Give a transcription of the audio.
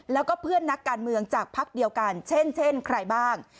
แล้วก็เพื่อนนักการเมืองจากพักเดียวกันเช่นใครบ้าง